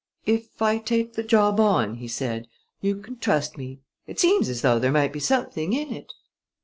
"If I take the job on," he said, "you can trust me. It seems as though there might be something in it."